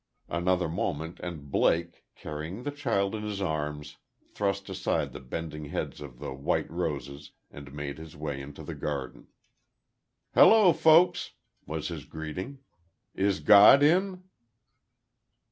Another moment and Blake, carrying the child in his arms, thrust aside the bending heads of the white roses and made his way into the garden. "Hello, folks," was his greeting. "Is God in?"